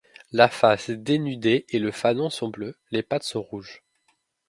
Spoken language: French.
La face dénudée et le fanon sont bleus, les pattes sont rouges.